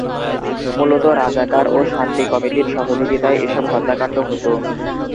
মূলত রাজাকার ও শান্তি কমিটির সহযোগিতায় এসব হত্যাকাণ্ড হত।